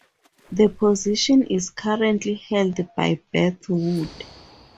The position is currently held by Beth Wood.